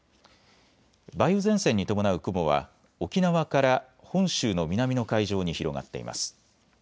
梅雨前線に伴う雲は沖縄から本州の南の海上に広がっています。